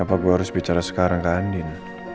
apa gue harus bicara sekarang ke andin